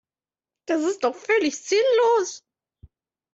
Das ist doch völlig sinnlos!